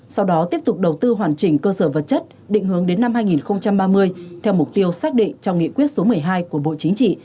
sau đó tiếp tục đầu tư hoàn chỉnh cơ sở vật chất định hướng đến năm hai nghìn ba mươi theo mục tiêu xác định trong nghị quyết số một mươi hai của bộ chính trị